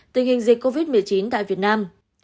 tình hình dịch covid một mươi chín tại việt nam